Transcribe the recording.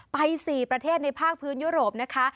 ไป๔ประเทศในภาคพื้นยุโรปนะคะ